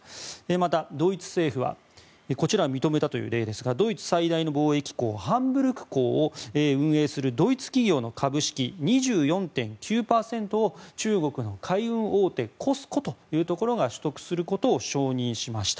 また、ドイツ政府はこちらは認めたという例ですがドイツ最大の貿易港ハンブルク港を運営するドイツ企業の株式２４．９％を中国の海運大手ＣＯＳＣＯというところが取得することを承認しました。